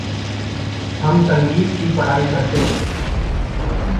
हम संगीत की पढ़ाई करते हैं।